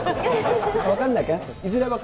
分かんないか？